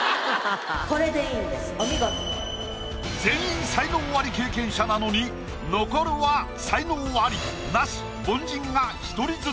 全員才能アリ経験者なのに残るは才能アリナシ凡人が１人ずつ。